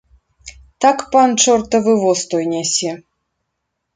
Так пан чортавы воз той нясе.